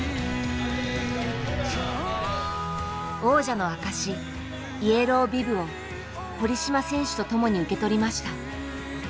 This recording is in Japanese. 王者の証し「イエロービブ」を堀島選手と共に受け取りました。